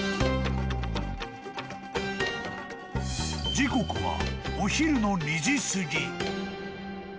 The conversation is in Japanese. ［時刻はお昼の２時すぎ］